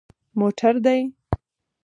_موټر دي؟